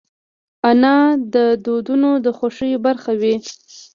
انا د ودونو د خوښیو برخه وي